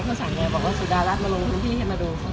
เขาสามารถมาเลือกลงที่ให้มาดู